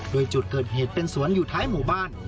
โดยจุดเกิดเหตุเป็นสวนอยู่ท้ายหมู่บ้าน